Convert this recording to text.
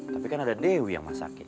tapi kan ada dewi yang masakin